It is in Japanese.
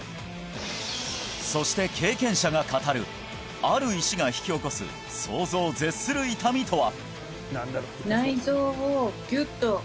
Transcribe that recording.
そして経験者が語るある石が引き起こす想像を絶する痛みとは！？